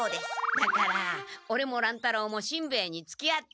だからオレも乱太郎もしんべヱにつきあって。